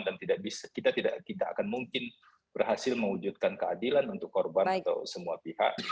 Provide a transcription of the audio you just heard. dan kita tidak akan mungkin berhasil mewujudkan keadilan untuk korban atau semua pihak